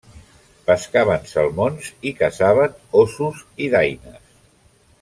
Pescaven salmons i caçaven ossos i daines.